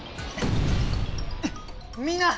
みんな！